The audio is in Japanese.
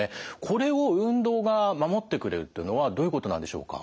これを運動が守ってくれるっていうのはどういうことなんでしょうか。